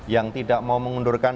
yang tidak mau mengundurkan